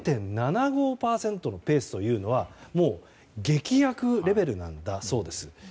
０．７５％のペースというのはもう劇薬レベルなんだそうです。